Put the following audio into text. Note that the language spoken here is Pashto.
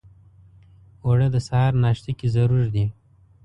اوړه د سهار ناشته کې ضرور دي